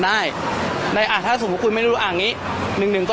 ได้ได้อ่ะถ้าสมมุติคุณไม่รู้อ่างี้หนึ่งหนึ่งก็